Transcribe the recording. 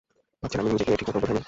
ভাবছেন, আমি নিজেকে ঠিকমতো বোঝাইনি?